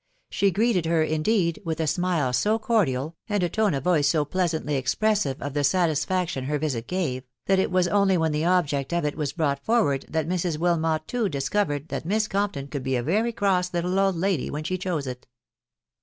She greeted her, indeed, with a smile so cordial, and a tone of voice so pleasantly expressive of the satisfaction her visit gave, that it was only when the object of it was brought for ward, that Mrs. Wilmot, too, discovered that Miss Compton could be a very cross little old lady when she chose it.